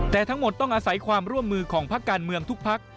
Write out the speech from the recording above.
แต่ทั้งหมดต้องอาศัยความร่วมมือของพักการเมืองทุกพัก